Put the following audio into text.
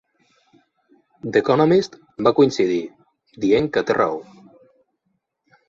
"The Economist" va coincidir, dient que "té raó".